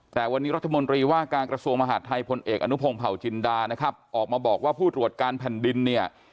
แต่วันนี้รัฐมนตรีว่าการกระทรวงมหาดไทยพลเอกอนุพงศ์เผาจินดานะครับออกมาบอกว่าผู้ตรวจการแผ่นดินเนี่ย